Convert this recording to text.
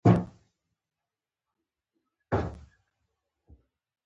هېواد د شاعر کلمې دي.